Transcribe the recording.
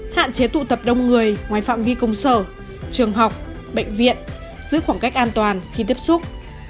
hạn chế tụ tập đông người ngoài phạm vi công sở trường học bệnh viện giữ khoảng cách an toàn khi tiếp xúc